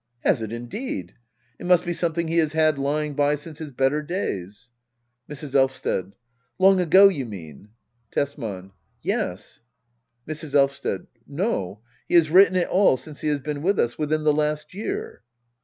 Has it indeed ? It must be something he has had lying by since his better days. Mrs. Elvsted. Long ago^ you mean ? Tesman. Yes. Mrs. Elvsted. No^ he has written it all since he has been with us — within the last year.